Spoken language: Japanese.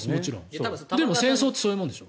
でも戦争ってそういうものでしょ。